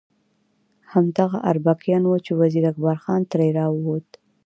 همدغه اربکیان وو چې وزیر اکبر خان ترې راووت.